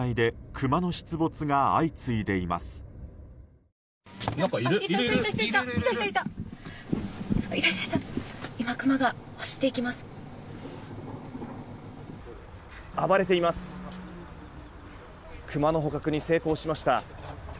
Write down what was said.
クマの捕獲に成功しました。